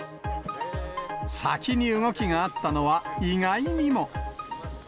先に動きがあったのは、意外にも。